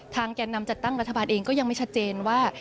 แก่นำจัดตั้งรัฐบาลเองก็ยังไม่ชัดเจนว่า